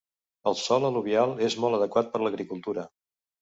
El sòl al·luvial és molt adequat per l'agricultura.